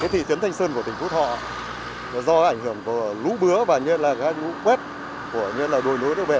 thị trấn thanh sơn của tỉnh phú thọ do ảnh hưởng của lũ bứa và gai lũ quét của đồi núi nước bẻ